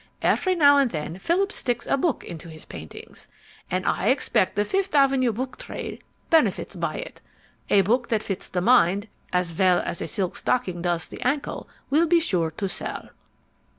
Every now and then Phillips sticks a book into his paintings, and I expect the Fifth Avenue book trade benefits by it. A book that fits the mind as well as a silk stocking does the ankle will be sure to sell.